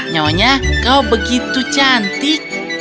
nyonya kau begitu cantik